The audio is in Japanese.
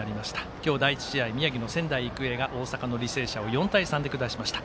今日、第１試合宮城の仙台育英が大阪の履正社を４対３で下しました。